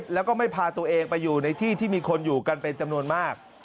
แล้วก็ไม่พาตัวเองไปอยู่ในที่ที่มีคนอยู่กันเป็นจำนวนมาก